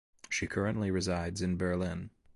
She currently resides in Berlin.